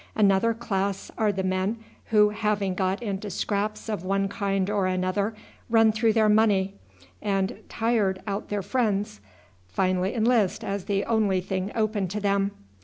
Another class are the men who having got into scrapes of one kind or another, run through their money, and tired out their friends, finally enlist as the only thing open to them.